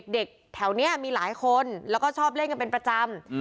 เด็กแถวนี้มีหลายคนแล้วก็ชอบเล่นกันเป็นประจำ